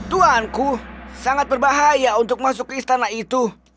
tuanku sangat berbahaya untuk masuk ke istana itu